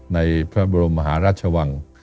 ในพระบรมมหาราชวัง